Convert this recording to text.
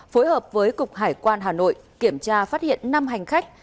phối hợp với cục hải quan hà nội kiểm tra phát hiện năm hành khách